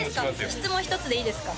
質問１つでいいですか？